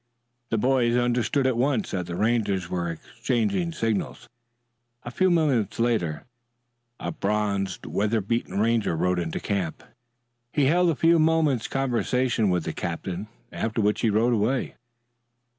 The boys understood at once that the Rangers were exchanging signals. A few moments later, a bronzed, weather beaten Ranger rode into camp. He held a few moments' conversation with the captain, after which he rode away.